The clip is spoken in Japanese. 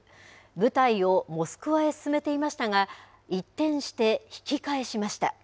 部隊をモスクワへ進めていましたが、一転して引き返しました。